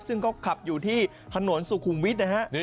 ซึ่งก็ขับอยู่ที่โทรศัพท์ศุกรูมวิทรนะครับ